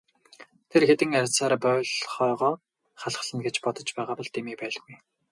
Тэр хэдэн арьсаар боольхойгоо халхална гэж бодож байгаа бол дэмий байлгүй.